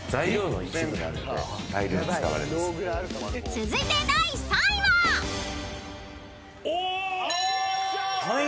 ［続いて第３位は］イェイ。